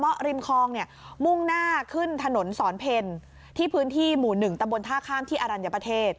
ริมคลองเนี่ยมุ่งหน้าขึ้นถนนสอนเพลที่พื้นที่หมู่๑ตำบลท่าข้ามที่อรัญญประเทศ